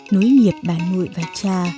nối nghiệp bà nội và cha